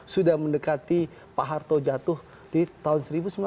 sudah mendekati pak harto jatuh di tahun seribu sembilan ratus sembilan puluh